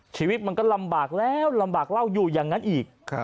ชีวิตมันก็ลำบากแล้วลำบากเล่าอยู่อย่างนั้นอีก